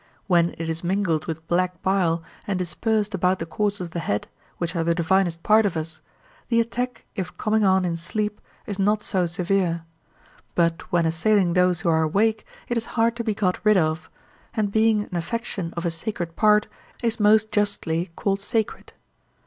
When it is mingled with black bile and dispersed about the courses of the head, which are the divinest part of us, the attack if coming on in sleep, is not so severe; but when assailing those who are awake it is hard to be got rid of, and being an affection of a sacred part, is most justly called sacred.